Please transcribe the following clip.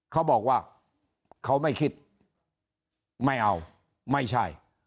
เขาบอกว่าเขาไม่คิดไม่เอาไม่ใช่